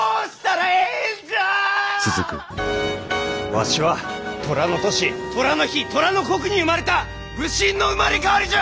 わしは寅の年寅の日寅の刻に生まれた武神の生まれ変わりじゃ！